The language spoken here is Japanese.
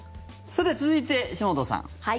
さて、続いて島本さん。